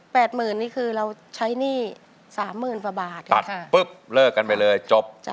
แปดหมื่นนี่คือเราใช้หนี้สามหมื่นพอบาทตัดปุ๊บเลิกกันไปเลยจบจ้ะ